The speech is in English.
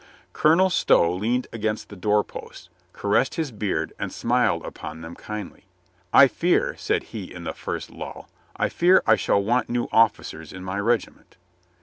Colonel Stow leaned against the door post, ca ressed his beard and smiled upon them kindly. "I fear," said he in the first lull, "I fear I shall want new officers in my regiment."